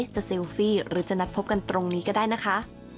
เซลฟี่หรือจะนัดพบกันตรงนี้ก็ได้นะคะ